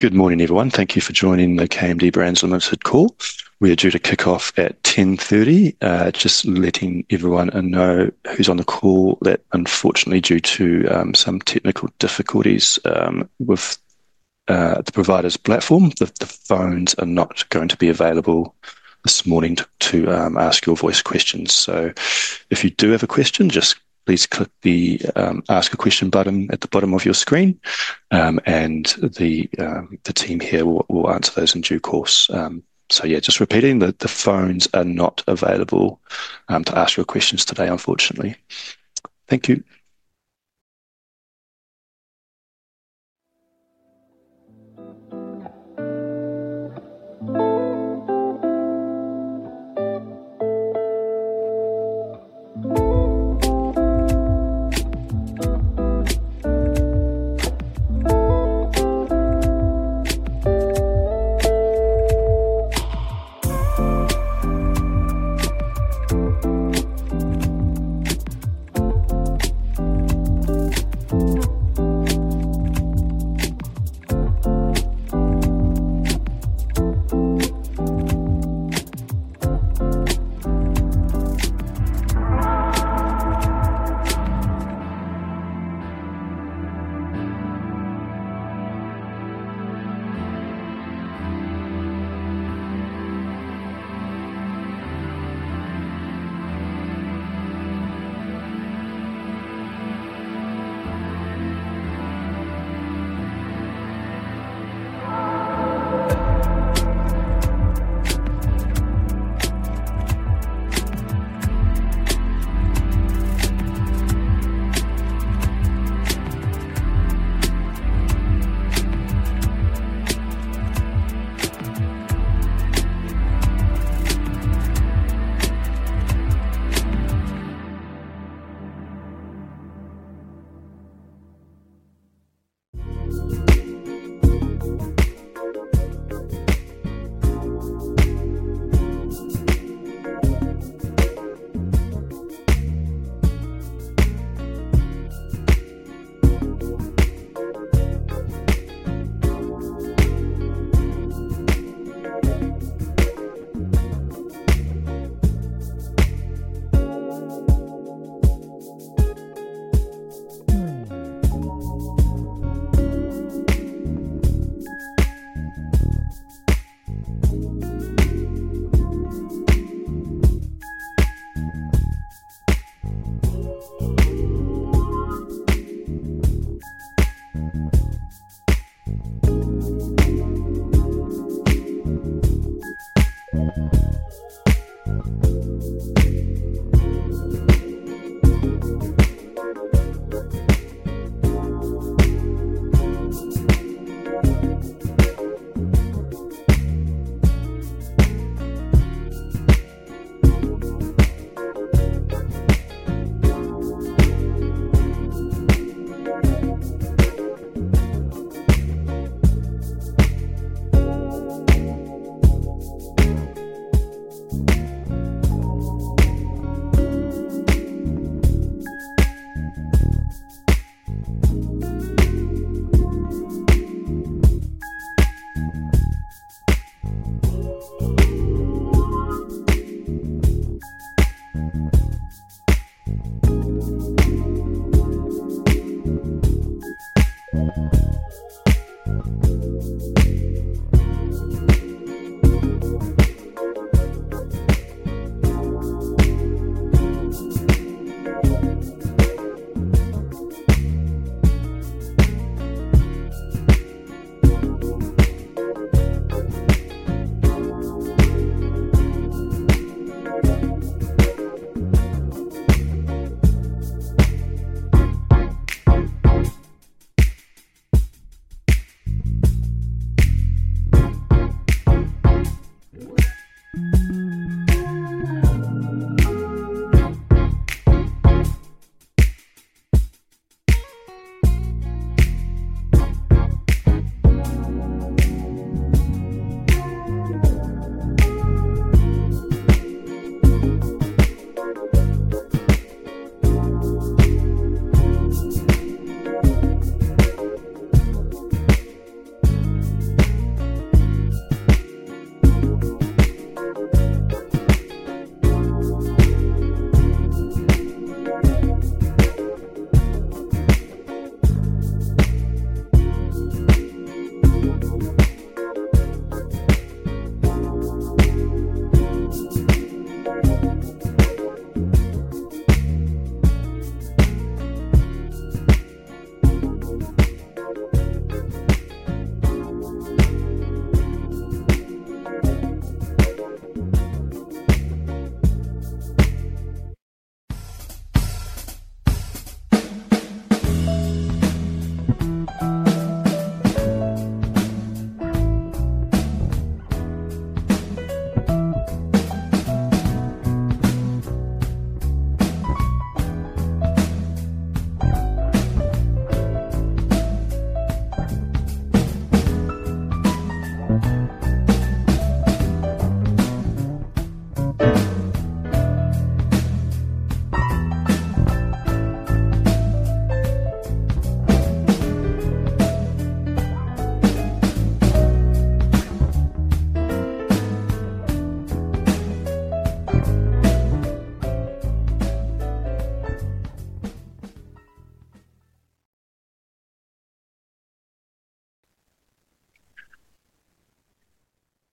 Good morning, everyone. Thank you for joining KMD Brands on this call. We are due to kick off at 10:30 A.M. Just letting everyone know who's on the call that, unfortunately, due to some technical difficulties with the provider's platform, the phones are not going to be available this morning to ask your voice questions. If you do have a question, please click the Ask a Question button at the bottom of your screen, and the team here will answer those in due course. Just repeating that the phones are not available to ask your questions today, unfortunately. Thank you.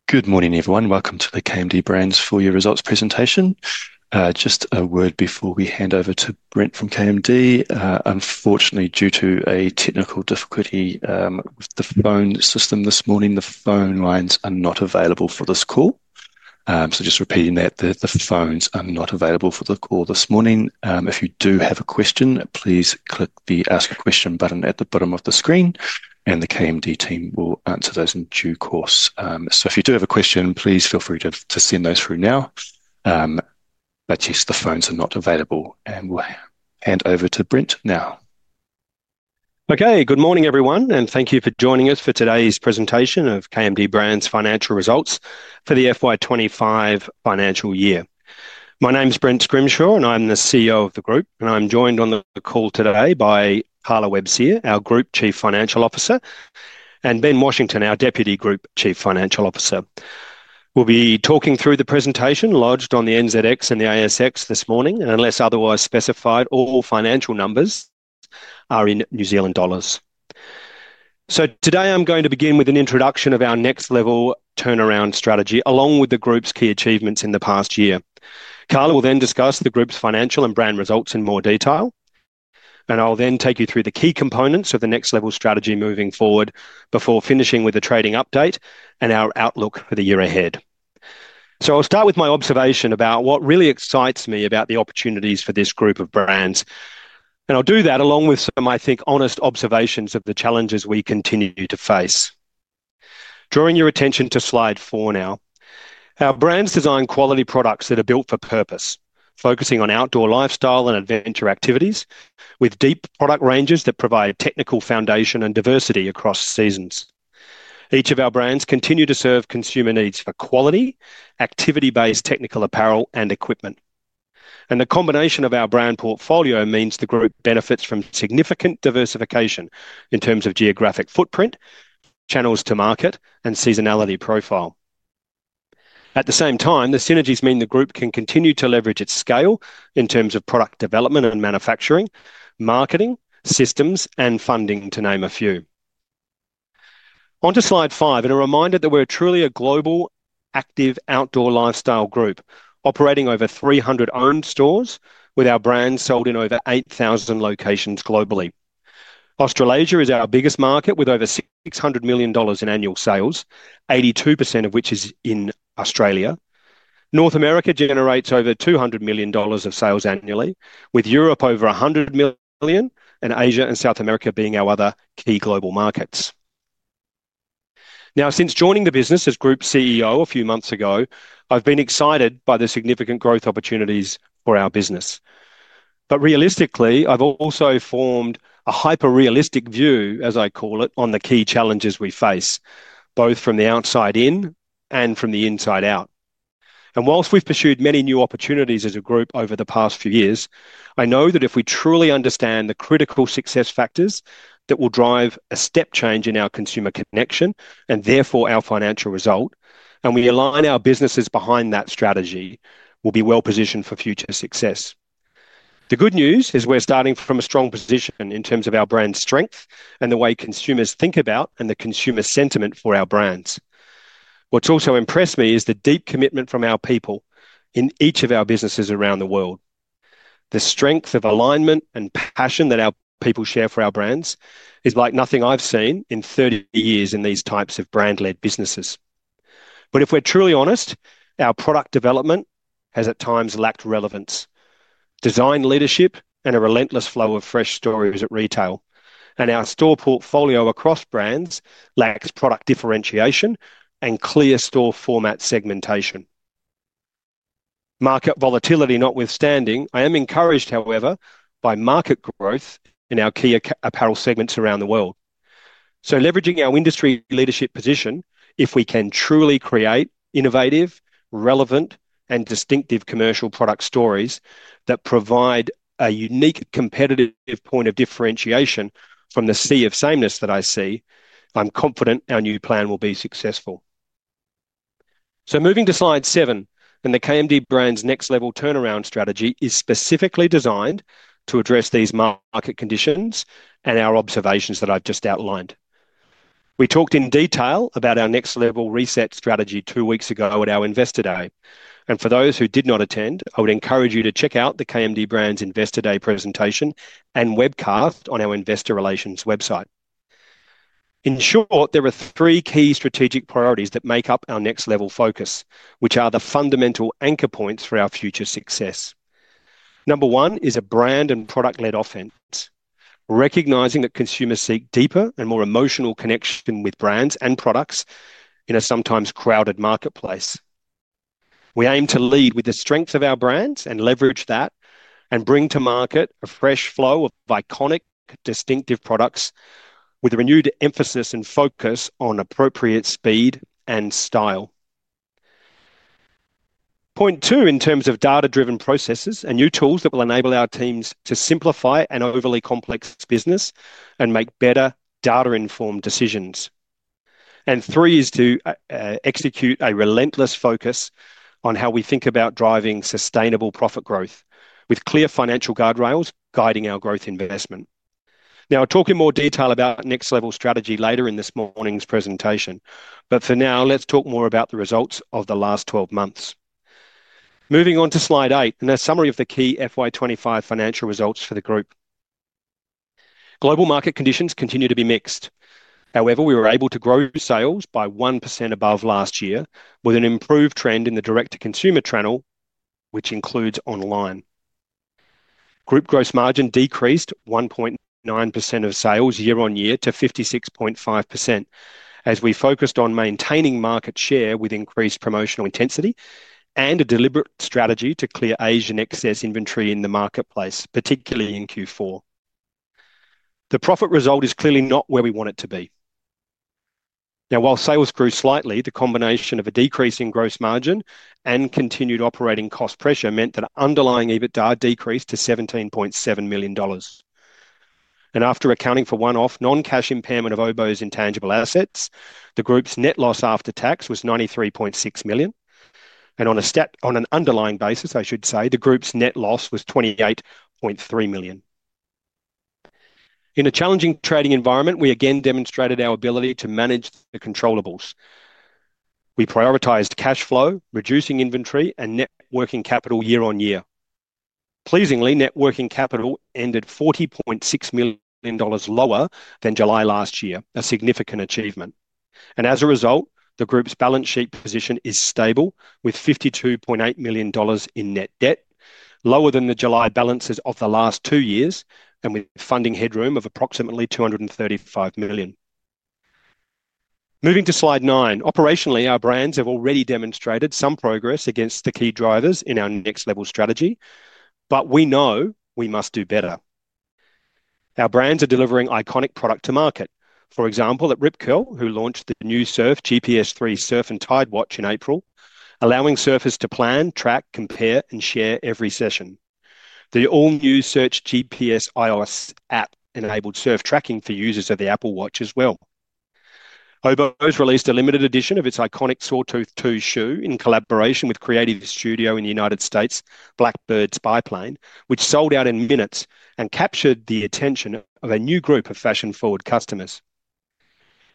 Good morning, everyone. Welcome to KMD Brands for your results presentation. Just a word before we hand over to Brent from KMD. Unfortunately, due to a technical difficulty with the phone system this morning, the phone lines are not available for this call. Just repeating that the phones are not available for the call this morning. If you do have a question, please click the Ask a Question button at the bottom of the screen, and the KMD team will answer those in due course. If you do have a question, please feel free to send those through now. The phones are not available, and we'll hand over to Brent now. Okay, good morning, everyone, and thank you for joining us for today's presentation of KMD Brands' financial results for the FY 2025 financial year. My name's Brent Scrimshaw, and I'm the CEO of the group. I'm joined on the call today by Carla Webb-Sear, our Group Chief Financial Officer, and Ben Washington, our Deputy Group Chief Financial Officer. We'll be talking through the presentation lodged on the NZX and the ASX this morning, and unless otherwise specified, all financial numbers are in New Zealand dollars. Today I'm going to begin with an introduction of our next-level turnaround strategy, along with the group's key achievements in the past year. Carla will then discuss the group's financial and brand results in more detail, and I'll then take you through the key components of the next-level strategy moving forward before finishing with a trading update and our outlook for the year ahead. I'll start with my observation about what really excites me about the opportunities for this group of brands, and I'll do that along with some, I think, honest observations of the challenges we continue to face. Drawing your attention to slide four now, our brands design quality products that are built for purpose, focusing on outdoor lifestyle and adventure activities, with deep product ranges that provide a technical foundation and diversity across seasons. Each of our brands continue to serve consumer needs for quality, activity-based technical apparel and equipment. The combination of our brand portfolio means the group benefits from significant diversification in terms of geographic footprint, channels to market, and seasonality profile. At the same time, the synergies mean the group can continue to leverage its scale in terms of product development and manufacturing, marketing, systems, and funding, to name a few. On to slide five, and a reminder that we're truly a global, active outdoor lifestyle group operating over 300 owned stores with our brands sold in over 8,000 locations globally. Australasia is our biggest market, with over 600 million dollars in annual sales, 82% of which is in Australia. North America generates over 200 million dollars of sales annually, with Europe over 100 million, and Asia and South America being our other key global markets. Since joining the business as Group CEO a few months ago, I've been excited by the significant growth opportunities for our business. Realistically, I've also formed a hyper-realistic view, as I call it, on the key challenges we face, both from the outside in and from the inside out. Whilst we've pursued many new opportunities as a group over the past few years, I know that if we truly understand the critical success factors that will drive a step change in our consumer connection and therefore our financial result, and we align our businesses behind that strategy, we'll be well positioned for future success. The good news is we're starting from a strong position in terms of our brand strength and the way consumers think about and the consumer sentiment for our brands. What's also impressed me is the deep commitment from our people in each of our businesses around the world. The strength of alignment and passion that our people share for our brands is like nothing I've seen in 30 years in these types of brand-led businesses. If we're truly honest, our product development has at times lacked relevance, design leadership, and a relentless flow of fresh stories at retail. Our store portfolio across brands lacks product differentiation and clear store format segmentation. Market volatility notwithstanding, I am encouraged, however, by market growth in our key apparel segments around the world. Leveraging our industry leadership position, if we can truly create innovative, relevant, and distinctive commercial product stories that provide a unique competitive point of differentiation from the sea of sameness that I see, I'm confident our new plan will be successful. Moving to slide seven, the KMD Brands' next-level turnaround strategy is specifically designed to address these market conditions and our observations that I've just outlined. We talked in detail about our next-level reset strategy two weeks ago at our Investor Day, and for those who did not attend, I would encourage you to check out the KMD Brands' Investor Day presentation and webcast on our Investor Relations website. In short, there are three key strategic priorities that make up our next-level focus, which are the fundamental anchor points for our future success. Number one is a brand and product-led offense, recognizing that consumers seek deeper and more emotional connection with brands and products in a sometimes crowded marketplace. We aim to lead with the strength of our brands and leverage that and bring to market a fresh flow of iconic, distinctive products with a renewed emphasis and focus on appropriate speed and style. Point two in terms of data-driven processes and new tools that will enable our teams to simplify an overly complex business and make better data-informed decisions. Three is to execute a relentless focus on how we think about driving sustainable profit growth with clear financial guardrails guiding our growth investment. I'll talk in more detail about next-level strategy later in this morning's presentation, but for now, let's talk more about the results of the last 12 months. Moving on to slide eight and a summary of the key FY 2025 financial results for the group. Global market conditions continue to be mixed. However, we were able to grow sales by 1% above last year, with an improved trend in the direct-to-consumer channel, which includes online. Group gross margin decreased 1.9% of sales year on year to 56.5% as we focused on maintaining market share with increased promotional intensity and a deliberate strategy to clear Asian excess inventory in the marketplace, particularly in Q4. The profit result is clearly not where we want it to be. While sales grew slightly, the combination of a decreasing gross margin and continued operating cost pressure meant that underlying EBITDA decreased to 17.7 million dollars. After accounting for one-off non-cash impairment of Oboz intangible assets, the group's net loss after tax was 93.6 million. On an underlying basis, I should say, the group's net loss was 28.3 million. In a challenging trading environment, we again demonstrated our ability to manage the controllables. We prioritized cash flow, reducing inventory, and net working capital year on year. Pleasingly, net working capital ended NZD 40.6 million lower than July last year, a significant achievement. As a result, the group's balance sheet position is stable with 52.8 million dollars in net debt, lower than the July balances of the last two years, and with funding headroom of approximately 235 million. Moving to slide nine, operationally, our brands have already demonstrated some progress against the key drivers in our next-level strategy, but we know we must do better. Our brands are delivering iconic product to market. For example, at Rip Curl, who launched the new Search GPS 3 watch in April, allowing surfers to plan, track, compare, and share every session. The all-new Search GPS iOS app enabled surf tracking for users of the Apple Watch as well. Oboz released a limited edition of its iconic Saw II shoe in collaboration with creative studio in the United States, Blackbird Spyplane, which sold out in minutes and captured the attention of a new group of fashion-forward customers.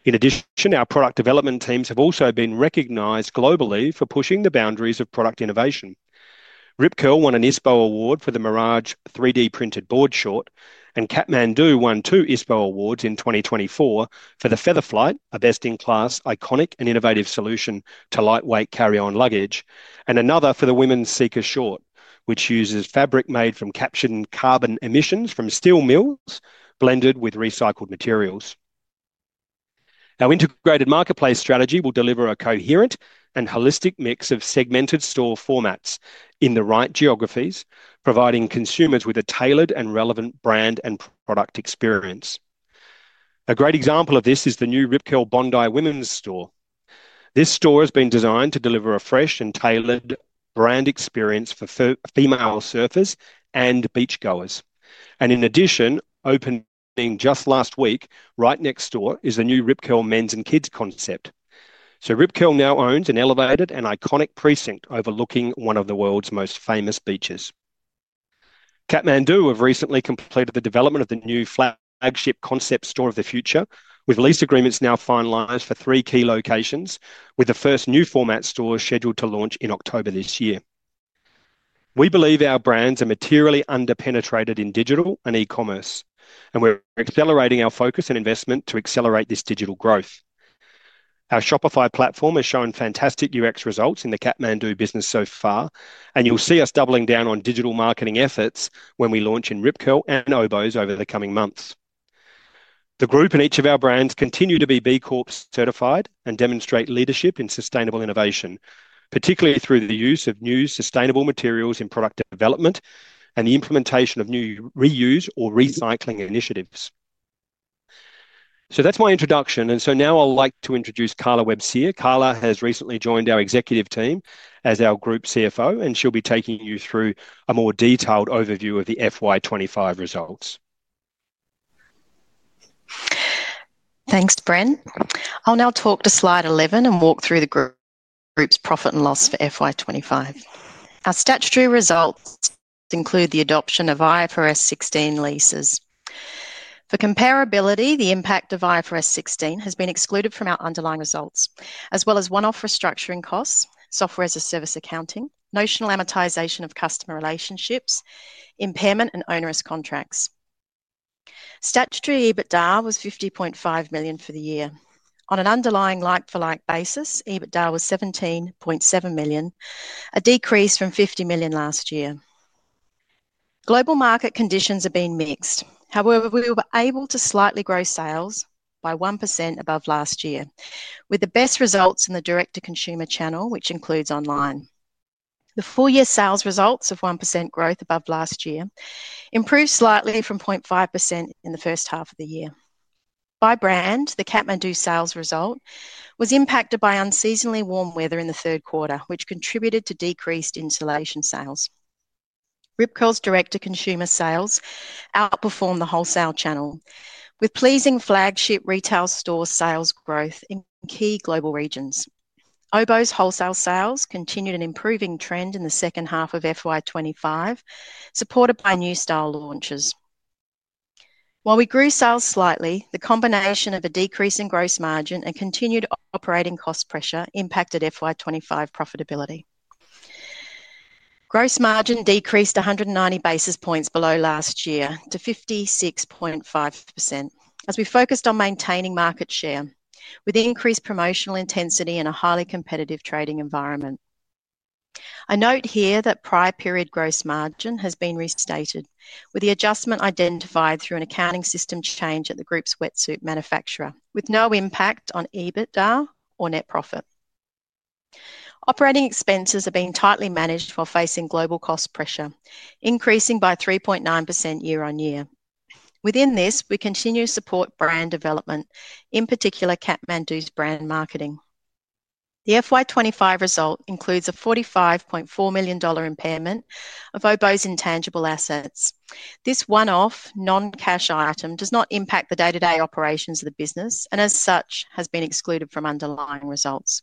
In addition, our product development teams have also been recognized globally for pushing the boundaries of product innovation. Rip Curl won an ISPO Award for the Mirage 3D boardshort, and Kathmandu won two ISPO Awards in 2024 for the Feather Flight, a best-in-class, iconic, and innovative solution to lightweight carry-on luggage, and another for the Women's Seeker short, which uses fabric made from captured carbon emissions from steel mills blended with recycled materials. Our integrated marketplace strategy will deliver a coherent and holistic mix of segmented store formats in the right geographies, providing consumers with a tailored and relevant brand and product experience. A great example of this is the new Rip Curl Bondi women's store. This store has been designed to deliver a fresh and tailored brand experience for female surfers and beachgoers. In addition, opening just last week, right next door is the new Rip Curl men's and kids concept. Rip Curl now owns an elevated and iconic precinct overlooking one of the world's most famous beaches. Kathmandu have recently completed the development of the new flagship concept store of the future, with lease agreements now finalized for three key locations, with the first new format store scheduled to launch in October this year. We believe our brands are materially underpenetrated in digital and e-commerce, and we're accelerating our focus and investment to accelerate this digital growth. Our Shopify platform has shown fantastic UX results in the Kathmandu business so far, and you'll see us doubling down on digital marketing efforts when we launch in Rip Curl and Oboz over the coming months. The group and each of our brands continue to be B Corp certified and demonstrate leadership in sustainable innovation, particularly through the use of new sustainable materials in product development and the implementation of new reuse or recycling initiatives. That's my introduction. I'd like to introduce Carla Webb-Sear. Carla has recently joined our executive team as our Group CFO, and she'll be taking you through a more detailed overview of the FY 2025 results. Thanks, Brent. I'll now talk to slide 11 and walk through the group's profit and loss for FY 2025. Our statutory results include the adoption of IFRS 16 leases. For comparability, the impact of IFRS 16 has been excluded from our underlying results, as well as one-off restructuring costs, software as a service accounting, notional amortization of customer relationships, impairment, and onerous contracts. Statutory EBITDA was 50.5 million for the year. On an underlying like-for-like basis, EBITDA was 17.7 million, a decrease from 50 million last year. Global market conditions have been mixed. However, we were able to slightly grow sales by 1% above last year, with the best results in the direct-to-consumer channel, which includes online. The full-year sales results of 1% growth above last year improved slightly from 0.5% in the first half of the year. By brand, the Kathmandu sales result was impacted by unseasonally warm weather in the third quarter, which contributed to decreased insulation sales. Rip Curl's direct-to-consumer sales outperformed the wholesale channel, with pleasing flagship retail store sales growth in key global regions. Oboz's wholesale sales continued an improving trend in the second half of FY 2025, supported by new style launches. While we grew sales slightly, the combination of a decrease in gross margin and continued operating cost pressure impacted FY 2025 profitability. Gross margin decreased 190 basis points below last year to 56.5% as we focused on maintaining market share with increased promotional intensity in a highly competitive trading environment. I note here that prior period gross margin has been restated with the adjustment identified through an accounting system change at the group's wetsuit manufacturer, with no impact on EBITDA or net profit. Operating expenses are being tightly managed while facing global cost pressure, increasing by 3.9% year on year. Within this, we continue to support brand development, in particular Kathmandu's brand marketing. The FY 2025 result includes a NZD 45.4 million impairment of Oboz's intangible assets. This one-off non-cash item does not impact the day-to-day operations of the business and, as such, has been excluded from underlying results.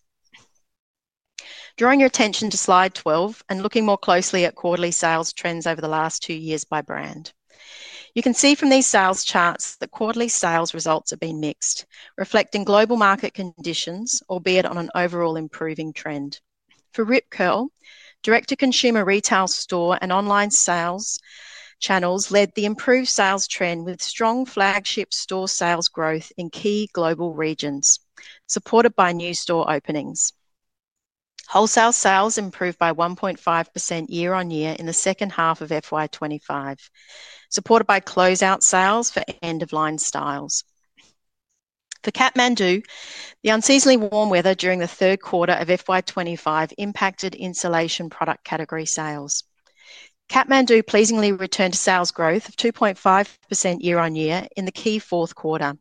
Drawing your attention to slide 12 and looking more closely at quarterly sales trends over the last two years by brand. You can see from these sales charts that quarterly sales results have been mixed, reflecting global market conditions, albeit on an overall improving trend. For Rip Curl, direct-to-consumer retail store and online sales channels led the improved sales trend with strong flagship store sales growth in key global regions, supported by new store openings. Wholesale sales improved by 1.5% year on year in the second half of FY 2025, supported by closeout sales for end-of-line styles. For Kathmandu, the unseasonally warm weather during the third quarter of FY 2025 impacted insulation product category sales. Kathmandu pleasingly returned to sales growth of 2.5% year on year in the key fourth quarter,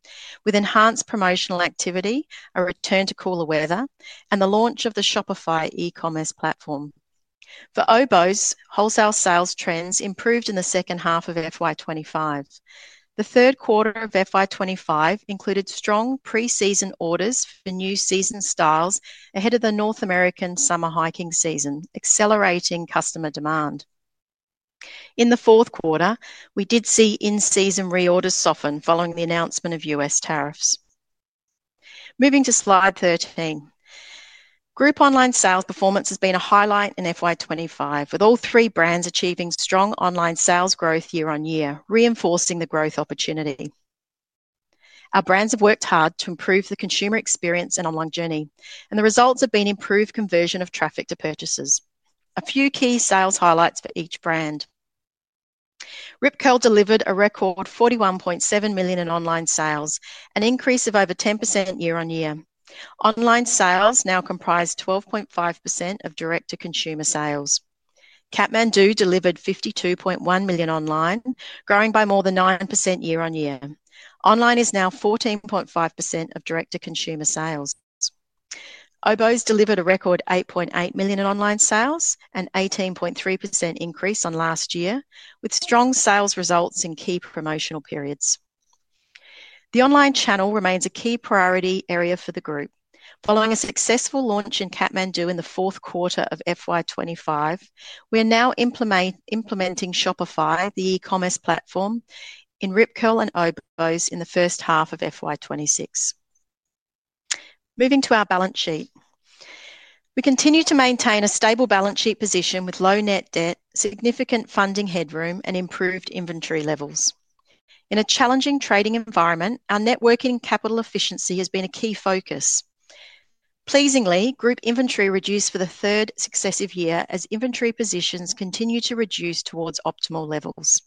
with enhanced promotional activity, a return to cooler weather, and the launch of the Shopify e-commerce platform. For Oboz, wholesale sales trends improved in the second half of FY 2025. The third quarter of FY 2025 included strong preseason orders for new season styles ahead of the North American summer hiking season, accelerating customer demand. In the fourth quarter, we did see in-season reorders soften following the announcement of U.S. tariffs. Moving to slide 13, group online sales performance has been a highlight in FY 2025, with all three brands achieving strong online sales growth year on year, reinforcing the growth opportunity. Our brands have worked hard to improve the consumer experience and online journey, and the results have been improved conversion of traffic to purchases. A few key sales highlights for each brand. Rip Curl delivered a record 41.7 million in online sales, an increase of over 10% year on year. Online sales now comprise 12.5% of direct-to-consumer sales. Kathmandu delivered 52.1 million online, growing by more than 9% year on year. Online is now 14.5% of direct-to-consumer sales. Oboz delivered a record 8.8 million in online sales, an 18.3% increase on last year, with strong sales results in key promotional periods. The online channel remains a key priority area for the group. Following a successful launch in Kathmandu in the fourth quarter of FY 2025, we are now implementing Shopify, the e-commerce platform, in Rip Curl and Oboz in the first half of FY 2026. Moving to our balance sheet, we continue to maintain a stable balance sheet position with low net debt, significant funding headroom, and improved inventory levels. In a challenging trading environment, our working capital efficiency has been a key focus. Pleasingly, group inventory reduced for the third successive year as inventory positions continue to reduce towards optimal levels.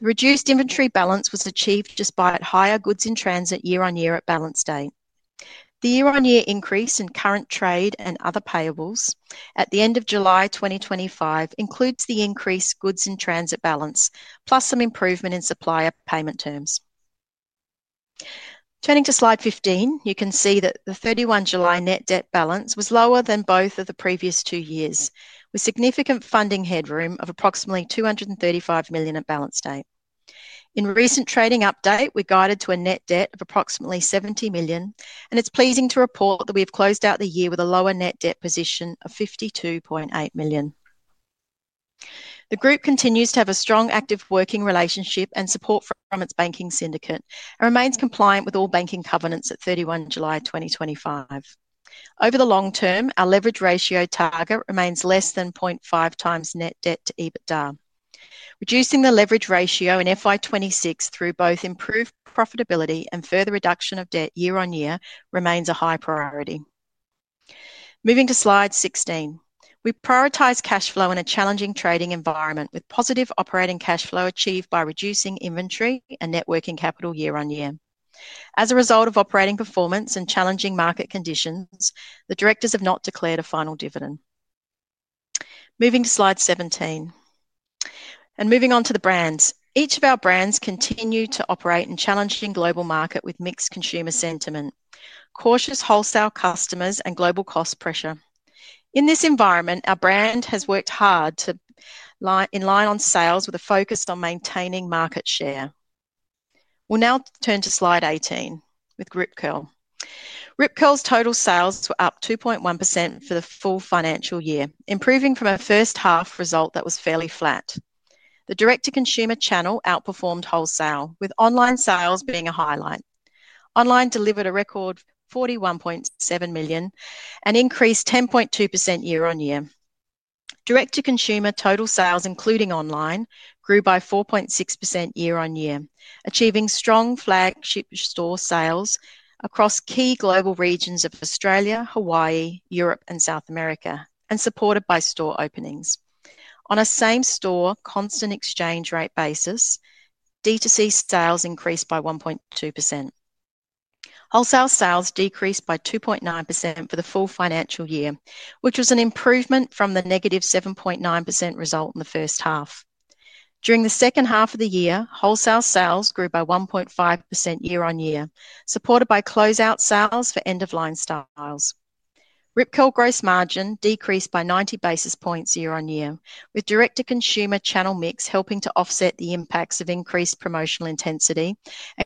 Reduced inventory balance was achieved despite higher goods in transit year on year at balance date. The year-on-year increase in current trade and other payables at the end of July 2025 includes the increased goods in transit balance, plus some improvement in supplier payment terms. Turning to slide 15, you can see that the 31 July net debt balance was lower than both of the previous two years, with significant funding headroom of approximately 235 million at balance date. In recent trading update, we're guided to a net debt of approximately 70 million, and it's pleasing to report that we have closed out the year with a lower net debt position of 52.8 million. The group continues to have a strong active working relationship and support from its banking syndicate and remains compliant with all banking covenants at 31 July 2025. Over the long term, our leverage ratio target remains less than 0.5x net debt to EBITDA. Reducing the leverage ratio in FY 2026 through both improved profitability and further reduction of debt year on year remains a high priority. Moving to slide 16, we prioritize cash flow in a challenging trading environment with positive operating cash flow achieved by reducing inventory and working capital year on year. As a result of operating performance and challenging market conditions, the directors have not declared a final dividend. Moving to slide 17 and moving on to the brands, each of our brands continue to operate in a challenging global market with mixed consumer sentiment, cautious wholesale customers, and global cost pressure. In this environment, our brands have worked hard to in line on sales with a focus on maintaining market share. We'll now turn to slide 18 with Rip Curl. Rip Curl's total sales were up 2.1% for the full financial year, improving from a first-half result that was fairly flat. The direct-to-consumer channel outperformed wholesale, with online sales being a highlight. Online delivered a record 41.7 million and increased 10.2% year on year. Direct-to-consumer total sales, including online, grew by 4.6% year on year, achieving strong flagship store sales across key global regions of Australia, Hawaii, Europe, and South America, and supported by store openings. On a same-store constant exchange rate basis, DTC sales increased by 1.2%. Wholesale sales decreased by 2.9% for the full financial year, which was an improvement from the -7.9% result in the first half. During the second half of the year, wholesale sales grew by 1.5% year on year, supported by closeout sales for end-of-line styles. Rip Curl gross margin decreased by 90 basis points year on year, with direct-to-consumer channel mix helping to offset the impacts of increased promotional intensity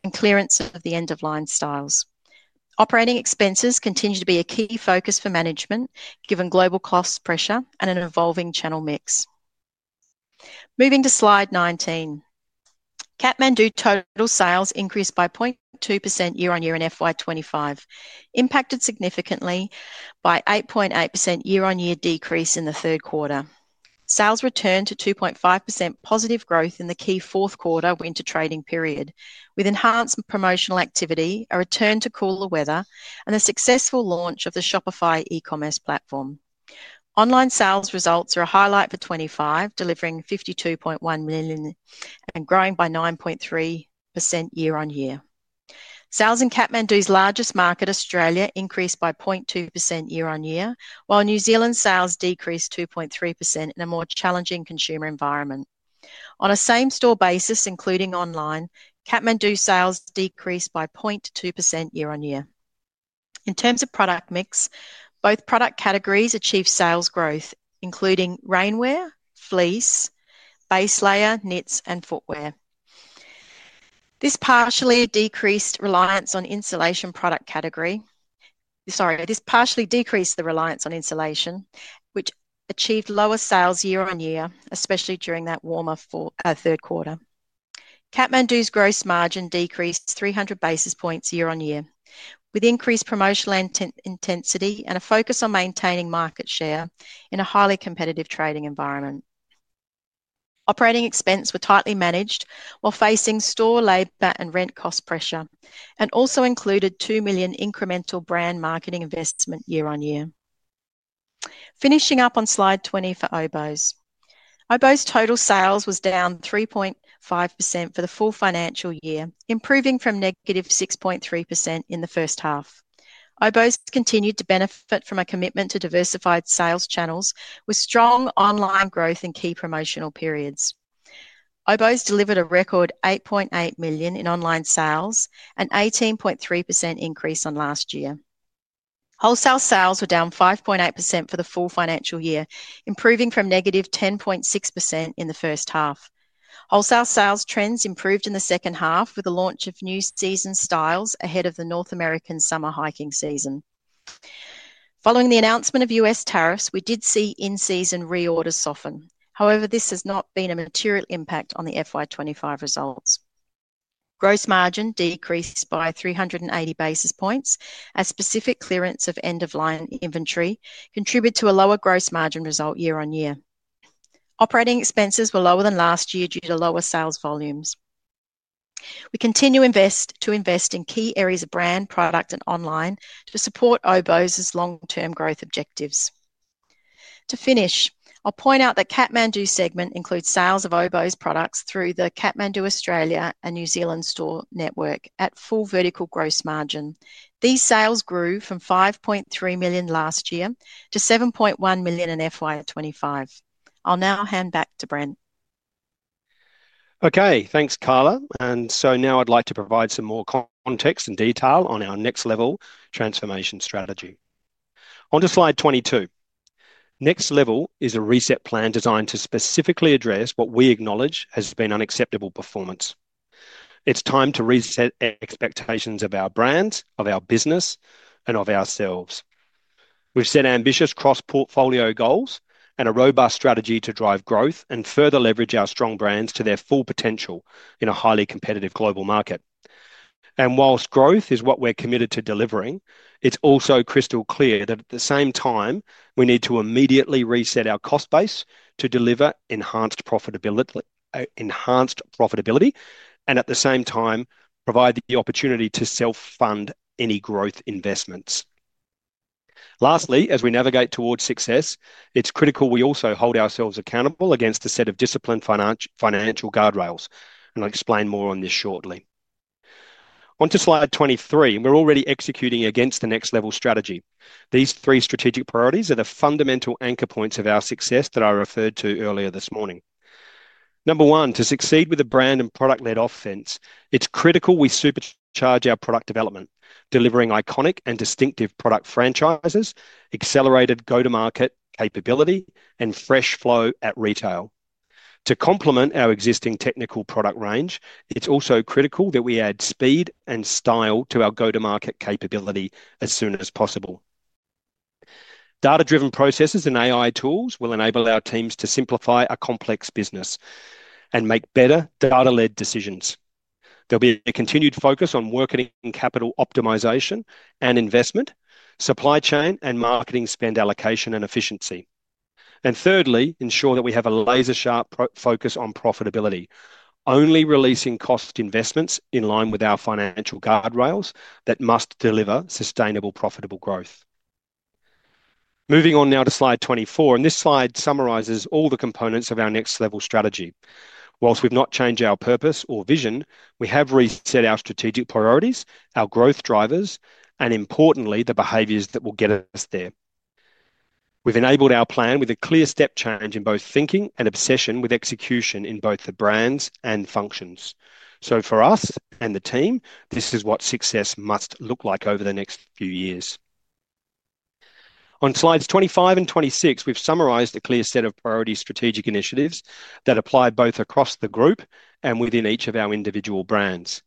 and clearance of the end-of-line styles. Operating expenses continue to be a key focus for management, given global cost pressure and an evolving channel mix. Moving to slide 19. Kathmandu total sales increased by 0.2% year on year in FY 2025, impacted significantly by an 8.8% year-on-year decrease in the third quarter. Sales returned to 2.5% positive growth in the key fourth quarter winter trading period, with enhanced promotional activity, a return to cooler weather, and a successful launch of the Shopify e-commerce platform. Online sales results are a highlight for 2025, delivering 52.1 million and growing by 9.3% year on year. Sales in Kathmandu's largest market, Australia, increased by 0.2% year on year, while New Zealand sales decreased 2.3% in a more challenging consumer environment. On a same-store basis, including online, Kathmandu sales decreased by 0.2% year on year. In terms of product mix, both product categories achieved sales growth, including rainwear, fleece, base layer, knits, and footwear. This partially decreased the reliance on insulation, which achieved lower sales year on year, especially during that warmer third quarter. Kathmandu's gross margin decreased 300 basis points year on year, with increased promotional intensity and a focus on maintaining market share in a highly competitive trading environment. Operating expenses were tightly managed while facing store labor and rent cost pressure, and also included 2 million incremental brand marketing investment year on year. Finishing up on slide 20 for Oboz. Oboz total sales were down 3.5% for the full financial year, improving from -6.3% in the first half. Oboz continued to benefit from a commitment to diversified sales channels with strong online growth in key promotional periods. Oboz delivered a record 8.8 million in online sales, an 18.3% increase on last year. Wholesale sales were down 5.8% for the full financial year, improving from -10.6% in the first half. Wholesale sales trends improved in the second half with the launch of new season styles ahead of the North American summer hiking season. Following the announcement of U.S. tariffs, we did see in-season reorders soften. However, this has not been a material impact on the FY 2025 results. Gross margin decreased by 380 basis points as specific clearance of end-of-line inventory contributed to a lower gross margin result year on year. Operating expenses were lower than last year due to lower sales volumes. We continue to invest in key areas of brand, product, and online to support Oboz's long-term growth objectives. To finish, I'll point out that Kathmandu's segment includes sales of Oboz's products through the Kathmandu Australia and New Zealand store network at full vertical gross margin. These sales grew from 5.3 million last year to 7.1 million in FY 2025. I'll now hand back to Brent. Okay, thanks, Carla. Now I'd like to provide some more context and detail on our next-level transformation strategy. On to slide 22. Next level is a reset plan designed to specifically address what we acknowledge has been unacceptable performance. It's time to reset expectations of our brands, of our business, and of ourselves. We've set ambitious cross-portfolio goals and a robust strategy to drive growth and further leverage our strong brands to their full potential in a highly competitive global market. Whilst growth is what we're committed to delivering, it's also crystal clear that at the same time, we need to immediately reset our cost base to deliver enhanced profitability, and at the same time, provide the opportunity to self-fund any growth investments. Lastly, as we navigate towards success, it's critical we also hold ourselves accountable against a set of disciplined financial guardrails, and I'll explain more on this shortly. On to slide 23, we're already executing against the next-level strategy. These three strategic priorities are the fundamental anchor points of our success that I referred to earlier this morning. Number one, to succeed with a brand and product-led offense, it's critical we supercharge our product development, delivering iconic and distinctive product franchises, accelerated go-to-market capability, and fresh flow at retail. To complement our existing technical product range, it's also critical that we add speed and style to our go-to-market capability as soon as possible. Data-driven processes and AI tools will enable our teams to simplify a complex business and make better data-led decisions. There'll be a continued focus on marketing capital optimization and investment, supply chain, and marketing spend allocation and efficiency. Thirdly, ensure that we have a laser-sharp focus on profitability, only releasing cost investments in line with our financial guardrails that must deliver sustainable, profitable growth. Moving on now to slide 24, this slide summarizes all the components of our next-level strategy. Whilst we've not changed our purpose or vision, we have reset our strategic priorities, our growth drivers, and importantly, the behaviors that will get us there. We've enabled our plan with a clear step change in both thinking and obsession with execution in both the brands and functions. For us and the team, this is what success must look like over the next few years. On slides 25 and 26, we've summarized a clear set of priority strategic initiatives that apply both across the group and within each of our individual brands.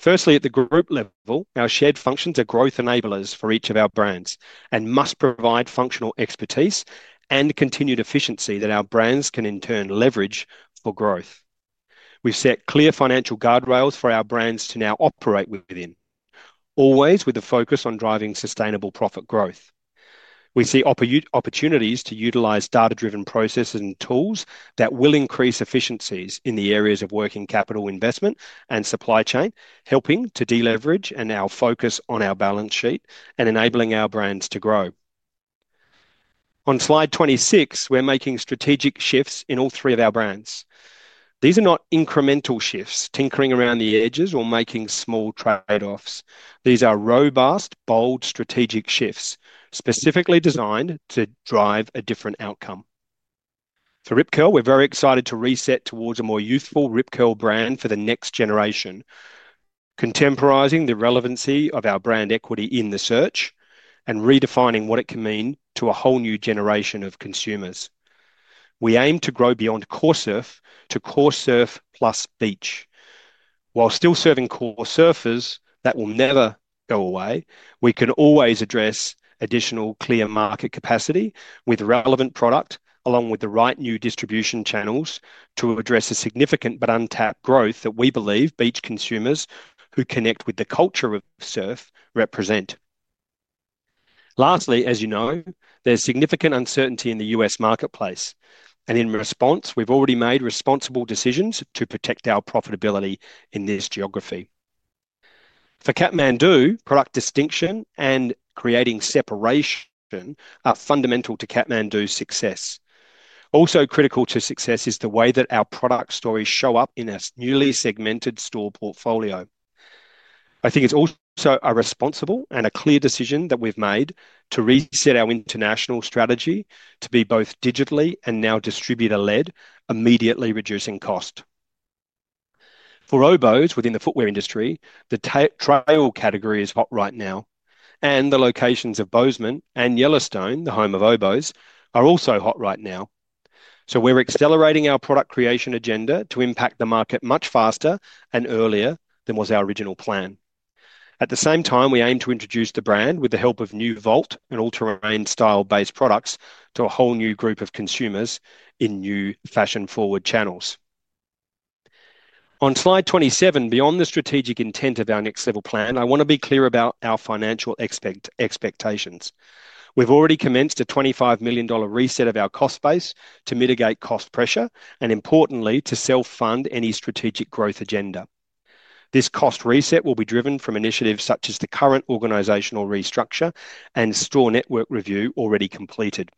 Firstly, at the group level, our shared functions are growth enablers for each of our brands and must provide functional expertise and continued efficiency that our brands can in turn leverage for growth. We've set clear financial guardrails for our brands to now operate within, always with a focus on driving sustainable profit growth. We see opportunities to utilize data-driven processes and tools that will increase efficiencies in the areas of working capital investment and supply chain, helping to deleverage and our focus on our balance sheet and enabling our brands to grow. On slide 26, we're making strategic shifts in all three of our brands. These are not incremental shifts tinkering around the edges or making small trade-offs. These are robust, bold strategic shifts specifically designed to drive a different outcome. For Rip Curl, we're very excited to reset towards a more youthful Rip Curl brand for the next generation, contemporizing the relevancy of our brand equity in the search and redefining what it can mean to a whole new generation of consumers. We aim to grow beyond core surf to core surf plus beach. While still serving core surfers that will never go away, we can always address additional clear market capacity with relevant product, along with the right new distribution channels to address a significant but untapped growth that we believe beach consumers who connect with the culture of surf represent. Lastly, as you know, there's significant uncertainty in the U.S. marketplace, and in response, we've already made responsible decisions to protect our profitability in this geography. For Kathmandu, product distinction and creating separation are fundamental to Kathmandu's success. Also critical to success is the way that our product stories show up in a newly segmented store portfolio. I think it's also a responsible and a clear decision that we've made to reset our international strategy to be both digitally and now distributor-led, immediately reducing cost. For Oboz within the footwear industry, the trail category is hot right now, and the locations of Bozeman and Yellowstone, the home of Oboz, are also hot right now. We're accelerating our product creation agenda to impact the market much faster and earlier than was our original plan. At the same time, we aim to introduce the brand with the help of new vault and all-terrain style-based products to a whole new group of consumers in new fashion-forward channels. On slide 27, beyond the strategic intent of our next-level plan, I want to be clear about our financial expectations. We've already commenced a 25 million dollar reset of our cost base to mitigate cost pressure and, importantly, to self-fund any strategic growth agenda. This cost reset will be driven from initiatives such as the current organizational restructure and store network review already completed.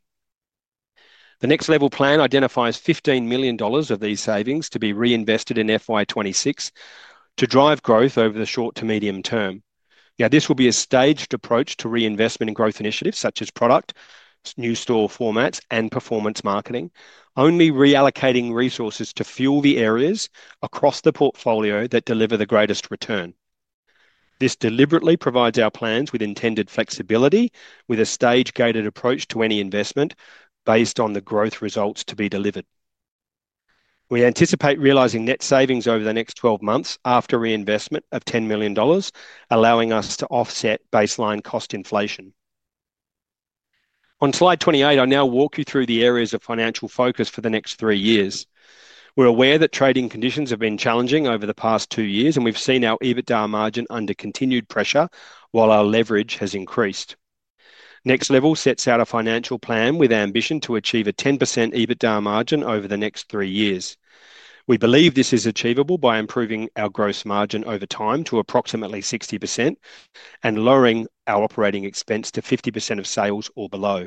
The next-level plan identifies 15 million dollars of these savings to be reinvested in FY 2026 to drive growth over the short to medium term. Now, this will be a staged approach to reinvestment and growth initiatives such as product, new store formats, and performance marketing, only reallocating resources to fuel the areas across the portfolio that deliver the greatest return. This deliberately provides our plans with intended flexibility, with a stage-gated approach to any investment based on the growth results to be delivered. We anticipate realizing net savings over the next 12 months after reinvestment of 10 million dollars, allowing us to offset baseline cost inflation. On slide 28, I now walk you through the areas of financial focus for the next three years. We're aware that trading conditions have been challenging over the past two years, and we've seen our EBITDA margin under continued pressure while our leverage has increased. Next Level sets out a financial plan with ambition to achieve a 10% EBITDA margin over the next three years. We believe this is achievable by improving our gross margin over time to approximately 60% and lowering our operating expense to 50% of sales or below.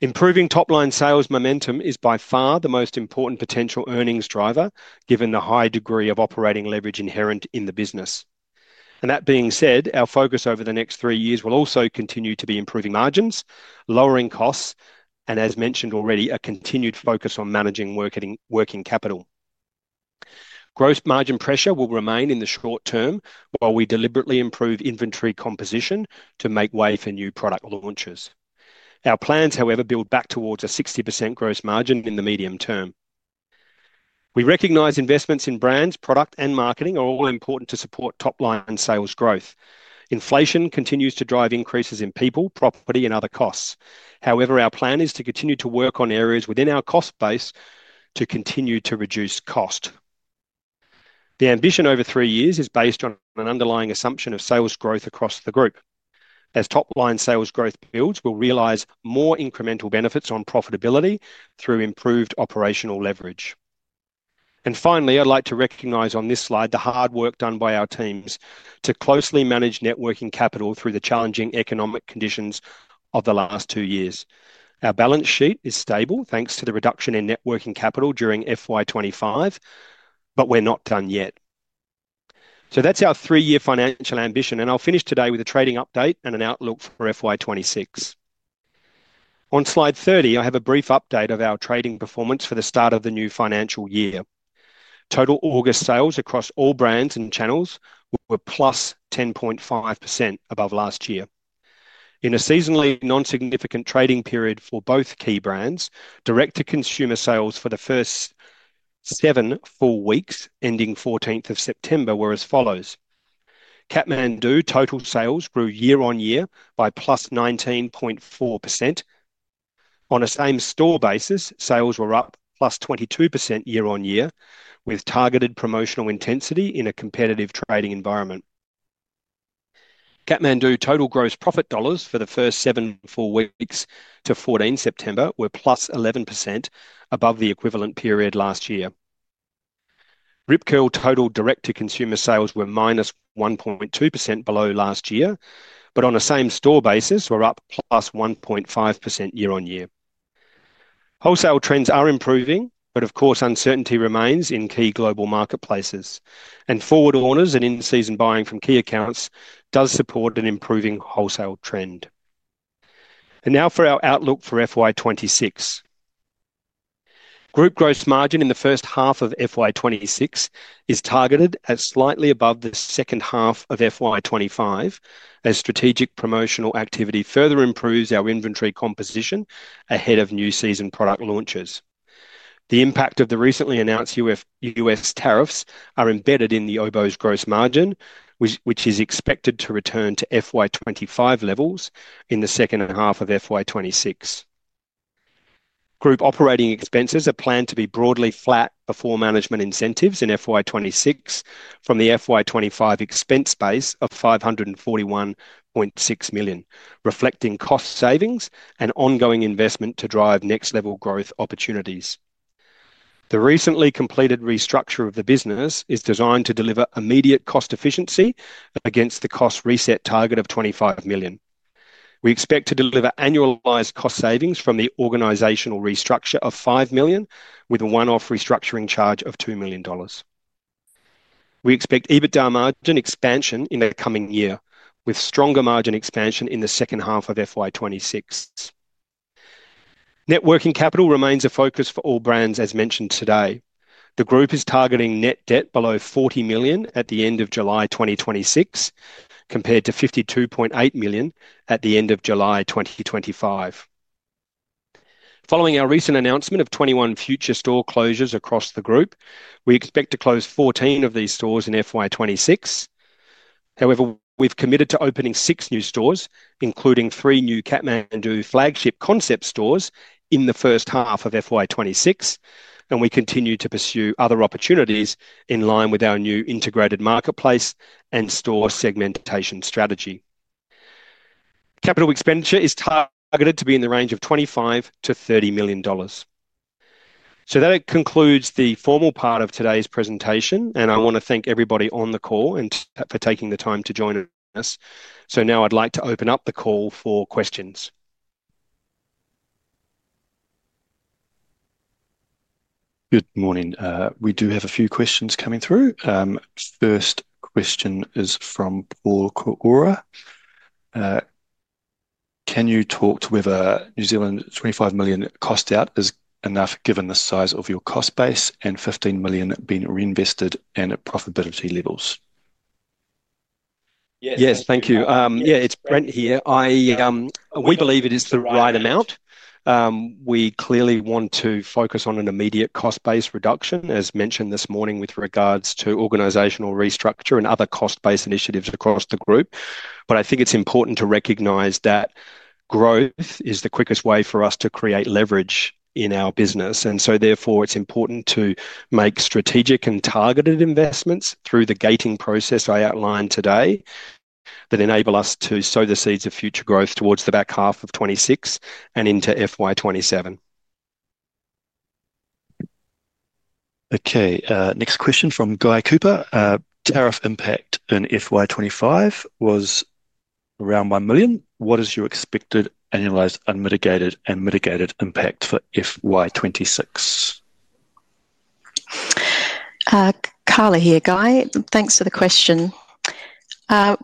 Improving top-line sales momentum is by far the most important potential earnings driver, given the high degree of operating leverage inherent in the business. That being said, our focus over the next three years will also continue to be improving margins, lowering costs, and, as mentioned already, a continued focus on managing working capital. Gross margin pressure will remain in the short term while we deliberately improve inventory composition to make way for new product launches. Our plans, however, build back towards a 60% gross margin in the medium term. We recognize investments in brands, product, and marketing are all important to support top-line sales growth. Inflation continues to drive increases in people, property, and other costs. However, our plan is to continue to work on areas within our cost base to continue to reduce cost. The ambition over three years is based on an underlying assumption of sales growth across the group. As top-line sales growth builds, we'll realize more incremental benefits on profitability through improved operational leverage. Finally, I'd like to recognize on this slide the hard work done by our teams to closely manage working capital through the challenging economic conditions of the last two years. Our balance sheet is stable thanks to the reduction in working capital during FY 2025, but we're not done yet. That's our three-year financial ambition, and I'll finish today with a trading update and an outlook for FY2026. On slide 30, I have a brief update of our trading performance for the start of the new financial year. Total August sales across all brands and channels were +10.5% above last year. In a seasonally non-significant trading period for both key brands, direct-to-consumer sales for the first seven full weeks ending 14th of September were as follows. Kathmandu total sales grew year on year by +19.4%. On a same-store basis, sales were up +22% year on year, with targeted promotional intensity in a competitive trading environment. Kathmandu total gross profit dollars for the first seven full weeks to 14 September were +11% above the equivalent period last year. Rip Curl total direct-to-consumer sales were -1.2% below last year, but on a same-store basis were up +1.5% year on year. Wholesale trends are improving, but uncertainty remains in key global marketplaces, and forward orders and in-season buying from key accounts do support an improving wholesale trend. Now for our outlook for FY 2026. Group gross margin in the first half of FY 2026 is targeted at slightly above the second half of FY 2025, as strategic promotional activity further improves our inventory composition ahead of new season product launches. The impact of the recently announced U.S. tariffs is embedded in the Oboz gross margin, which is expected to return to FY 2025 levels in the second half of FY 2026. Group operating expenses are planned to be broadly flat before management incentives in FY 2026 from the FY 2025 expense base of 541.6 million, reflecting cost savings and ongoing investment to drive next-level growth opportunities. The recently completed restructure of the business is designed to deliver immediate cost efficiency against the cost reset target of 25 million. We expect to deliver annualized cost savings from the organizational restructure of 5 million, with a one-off restructuring charge of 2 million dollars. We expect EBITDA margin expansion in the coming year, with stronger margin expansion in the second half of FY 2026. Working capital remains a focus for all brands, as mentioned today. The group is targeting net debt below 40 million at the end of July 2026, compared to 52.8 million at the end of July 2025. Following our recent announcement of 21 future store closures across the group, we expect to close 14 of these stores in FY 2026. However, we've committed to opening six new stores, including three new Kathmandu flagship concept stores in the first half of FY 2026, and we continue to pursue other opportunities in line with our new integrated marketplace and store segmentation strategy. Capital expenditure is targeted to be in the range of 25 million-30 million dollars. That concludes the formal part of today's presentation, and I want to thank everybody on the call and for taking the time to join us. Now I'd like to open up the call for questions. Good morning. We do have a few questions coming through. First question is from Paul Kaura. Can you talk to whether New Zealand's 25 million cost out is enough given the size of your cost base and 15 million being reinvested and profitability levels? Yes, thank you. Yeah, it's Brent here. We believe it is the right amount. We clearly want to focus on an immediate cost-based reduction, as mentioned this morning, with regards to organizational restructure and other cost-based initiatives across the group. I think it's important to recognize that growth is the quickest way for us to create leverage in our business. Therefore, it's important to make strategic and targeted investments through the gating process I outlined today that enable us to sow the seeds of future growth towards the back half of 2026 and into FY 2027. Okay, next question from Guy Cooper. Tariff impact in FY 2025 was around 1 million. What is your expected annualized unmitigated and mitigated impact for FY 2026? Carla here. Guy, thanks for the question.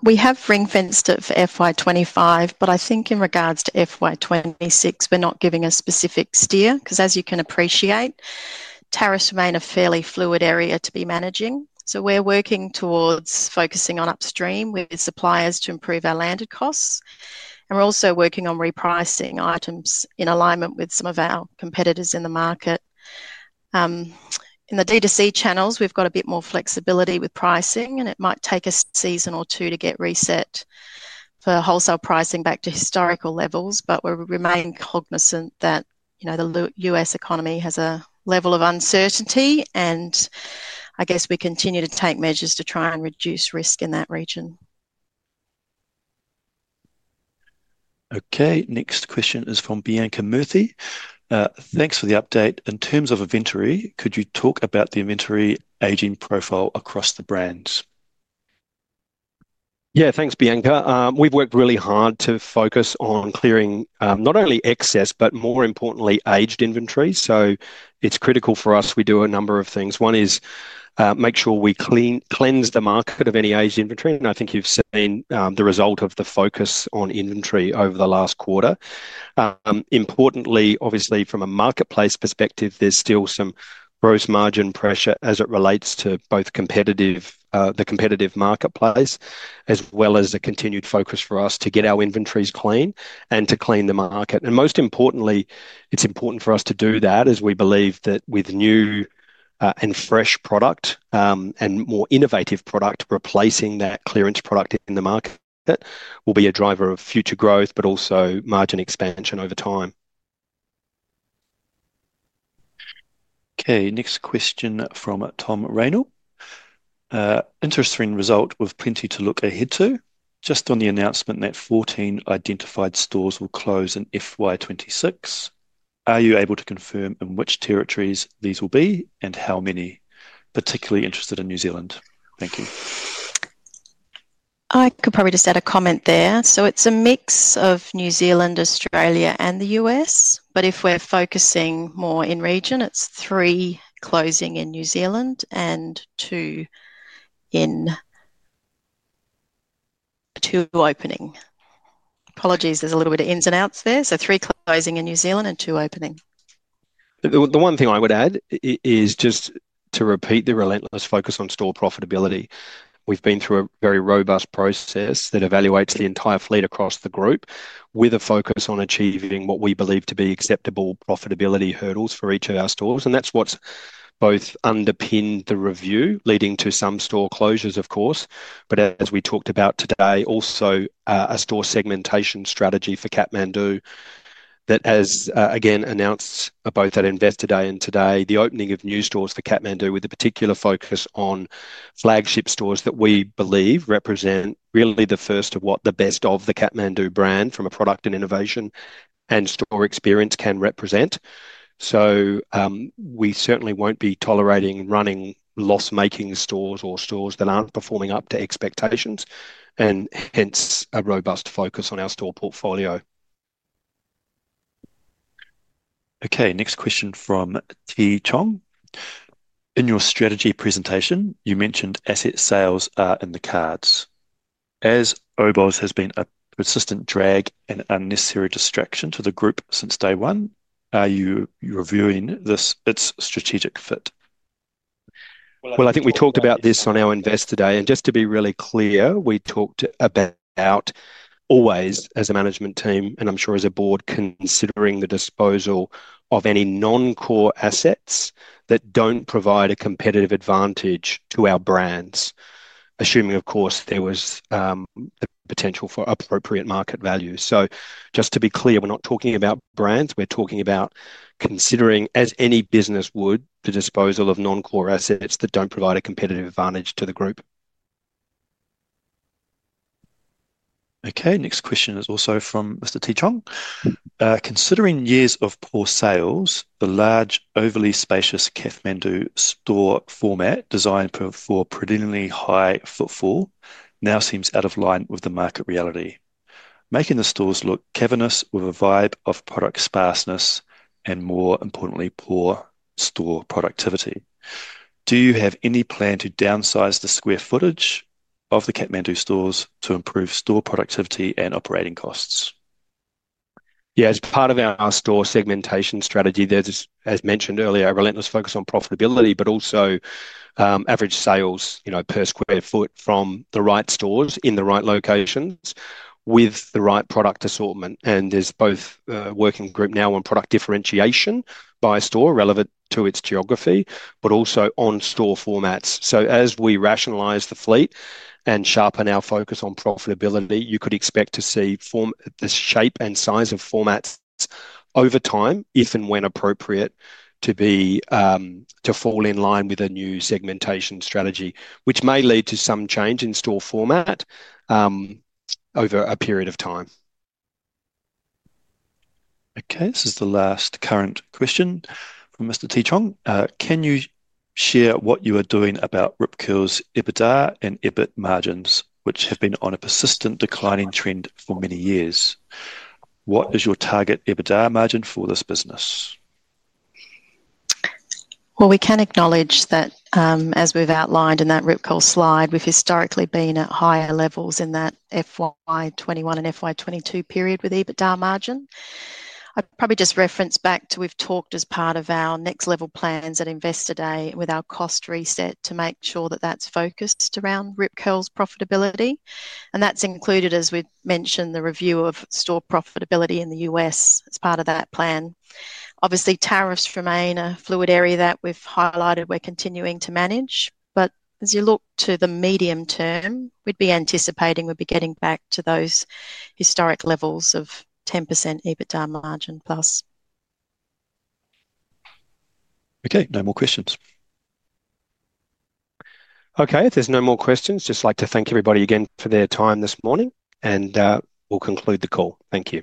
We have ring-fenced it for FY 2025, but I think in regards to FY 2026, we're not giving a specific steer because, as you can appreciate, tariffs remain a fairly fluid area to be managing. We're working towards focusing on upstream with suppliers to improve our landed costs. We're also working on repricing items in alignment with some of our competitors in the market. In the direct-to-consumer channels, we've got a bit more flexibility with pricing, and it might take a season or two to get reset for wholesale pricing back to historical levels. We remain cognizant that the U.S. economy has a level of uncertainty, and I guess we continue to take measures to try and reduce risk in that region. Okay, next question is from Bianca Murthy. Thanks for the update. In terms of inventory, could you talk about the inventory aging profile across the brands? Yeah, thanks, Bianca. We've worked really hard to focus on clearing not only excess, but more importantly, aged inventory. It's critical for us. We do a number of things. One is make sure we cleanse the market of any aged inventory, and I think you've seen the result of the focus on inventory over the last quarter. Importantly, obviously, from a marketplace perspective, there's still some gross margin pressure as it relates to both the competitive marketplace, as well as a continued focus for us to get our inventories clean and to clean the market. Most importantly, it's important for us to do that as we believe that with new and fresh product and more innovative product replacing that clearance product in the market will be a driver of future growth, but also margin expansion over time. Okay, next question from Tom Raynall. Interesting result with plenty to look ahead to. Just on the announcement that 14 identified stores will close in FY 2026, are you able to confirm in which territories these will be and how many? Particularly interested in New Zealand. Thank you. I could probably just add a comment there. It's a mix of New Zealand, Australia, and the U.S., but if we're focusing more in region, it's three closing in New Zealand and two opening. Apologies, there's a little bit of ins and outs there. Three closing in New Zealand and two opening. The one thing I would add is just to repeat the relentless focus on store profitability. We've been through a very robust process that evaluates the entire fleet across the group with a focus on achieving what we believe to be acceptable profitability hurdles for each of our stores. That's what's both underpinned the review leading to some store closures, of course, but as we talked about today, also a store segmentation strategy for Kathmandu that has, again, announced both at Investor Day and today the opening of new stores for Kathmandu with a particular focus on flagship stores that we believe represent really the first of what the best of the Kathmandu brand from a product and innovation and store experience can represent. We certainly won't be tolerating running loss-making stores or stores that aren't performing up to expectations, and hence a robust focus on our store portfolio. Okay, next question from T. Chong. In your strategy presentation, you mentioned asset sales are in the cards. As Oboz has been a persistent drag and unnecessary distraction to the group since day one, are you reviewing its strategic fit? I think we talked about this on our Investor Day, and just to be really clear, we talked about always as a management team, and I'm sure as a board, considering the disposal of any non-core assets that don't provide a competitive advantage to our brands, assuming, of course, there was the potential for appropriate market value. Just to be clear, we're not talking about brands. We're talking about considering, as any business would, the disposal of non-core assets that don't provide a competitive advantage to the group. Okay, next question is also from Mr. T. Chong. Considering years of poor sales, the large, overly spacious Kathmandu store format designed for a predominantly high footfall now seems out of line with the market reality, making the stores look cavernous with a vibe of product sparseness and, more importantly, poor store productivity. Do you have any plan to downsize the square footage of the Kathmandu stores to improve store productivity and operating costs? Yeah, as part of our store segmentation strategy, there's, as mentioned earlier, a relentless focus on profitability, but also average sales, you know, per square foot from the right stores in the right locations with the right product assortment. There's both a working group now on product differentiation by store relevant to its geography, but also on store formats. As we rationalize the fleet and sharpen our focus on profitability, you could expect to see the shape and size of formats over time, if and when appropriate, to fall in line with a new segmentation strategy, which may lead to some change in store format over a period of time. Okay, this is the last current question from Mr. T. Chong. Can you share what you are doing about Rip Curl's EBITDA and EBIT margins, which have been on a persistent declining trend for many years? What is your target EBITDA margin for this business? As we've outlined in that Rip Curl slide, we've historically been at higher levels in that FY 2021 and FY 2022 period with EBITDA margin. I'd probably just reference back to we've talked as part of our next-level plans at Investor Day with our cost reset to make sure that that's focused around Rip Curl's profitability. That's included, as we mentioned, the review of store profitability in the U.S. as part of that plan. Obviously, tariffs remain a fluid area that we've highlighted we're continuing to manage. As you look to the medium term, we'd be anticipating we'd be getting back to those historic levels of 10% EBITDA margin plus. Okay, no more questions. Okay, if there's no more questions, I'd just like to thank everybody again for their time this morning, and we'll conclude the call. Thank you.